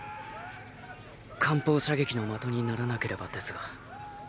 艦砲射撃の的にならなければですが。